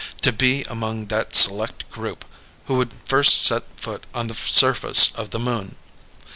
To be among that select group who would first set foot upon the surface of the Moon!